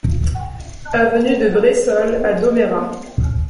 Avenue de Bressolles à Domérat